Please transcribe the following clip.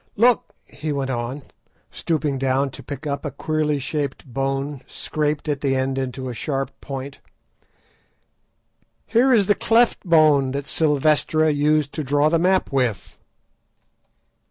Look!" he went on, stooping down to pick up a queerly shaped bone scraped at the end into a sharp point, "here is the 'cleft bone' that Silvestra used to draw the map with."